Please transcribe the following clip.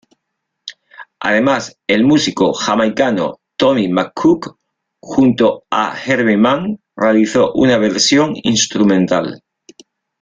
Además, el músico jamaicano Tommy McCook, junto a Herbie Man, realizó una versión instrumental.